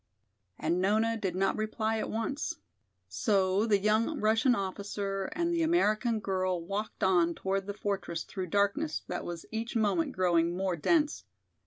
And Nona did not reply at once. So the young Russian officer and the American girl walked on toward the fortress through darkness that was each moment growing more dense.